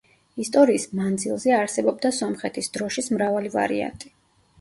ისტორიის მანძილზე არსებობდა სომხეთის დროშის მრავალი ვარიანტი.